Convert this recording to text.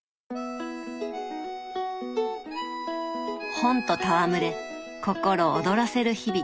本と戯れ心躍らせる日々。